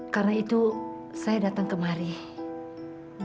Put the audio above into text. karena itu saya datang ke rumah ibu